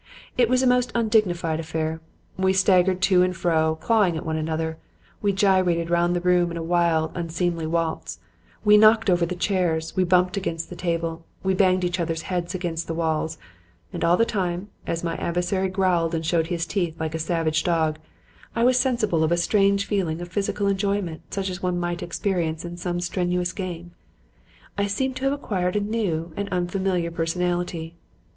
It was a most undignified affair. We staggered to and fro, clawing at one another; we gyrated round the room in a wild, unseemly waltz; we knocked over the chairs, we bumped against the table, we banged each other's heads against the walls; and all the time, as my adversary growled and showed his teeth like a savage dog, I was sensible of a strange feeling of physical enjoyment such as one might experience in some strenuous game. I seemed to have acquired a new and unfamiliar personality.